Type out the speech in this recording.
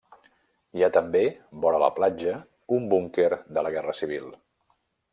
Hi ha també, vora la platja, un búnquer de la guerra civil.